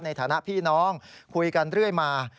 ในฐานะพี่น้องคุยกันเรื่อยมา